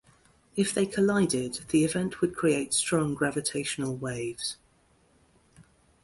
If they collided, the event would create strong gravitational waves.